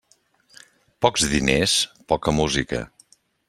Pocs diners, poca música.